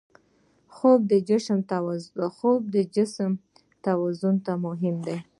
خوب د جسم توازن ته مهم دی